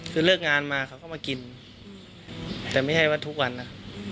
คือเลิกงานมาเขาก็มากินแต่ไม่ใช่ว่าทุกวันนะ